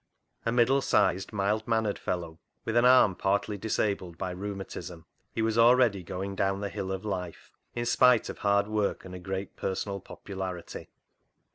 A middle sized, mild mannered fellow, with an arm partly disabled by rheumatism, he was already going down the hill of life, in spite of hard work and a great personal popularity.